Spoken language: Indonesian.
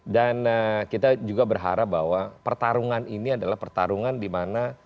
dan kita juga berharap bahwa pertarungan ini adalah pertarungan dimana